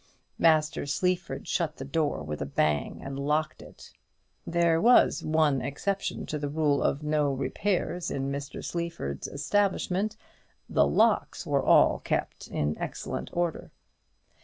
Master Sleaford shut the door with a bang, and locked it. There was one exception to the rule of no repairs in Mr. Sleaford's establishment, the locks were all kept in excellent order.